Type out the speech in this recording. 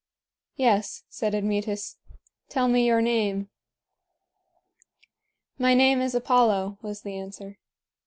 "Yes," said Admetus; "tell me your name." "My name is Apollo," was the answer.